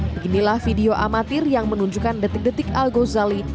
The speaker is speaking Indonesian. beginilah video amatir yang menunjukkan detik detik al ghazali